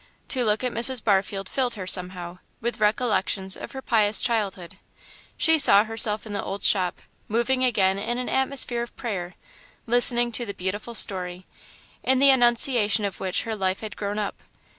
To look at Mrs. Barfield filled her, somehow, with recollections of her pious childhood; she saw herself in the old shop, moving again in an atmosphere of prayer, listening to the beautiful story, in the annunciation of which her life had grown up.